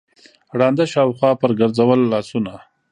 ړانده شاوخوا پر ګرځول لاسونه